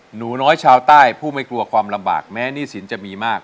หนูน้อยชาวใต้ผู้ไม่กลัวความลำบากแม้หนี้สินจะมีมาก